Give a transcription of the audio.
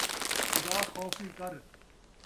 خدا خوفی کر